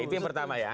itu yang pertama ya